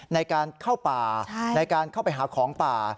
ในการเข้าป่าในการเข้าไปหาของป่า